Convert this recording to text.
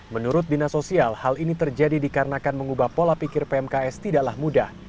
menurut dina sosial hal ini terjadi dikarenakan mengubah pola pikir pmks tidaklah mudah